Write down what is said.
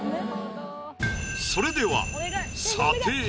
それでは査定。